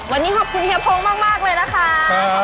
วันนี้ขอบคุณเฮียโพงมากเลยนะคะ